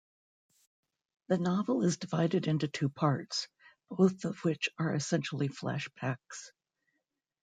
The novel is divided into two parts: both of which are essentially flashbacks.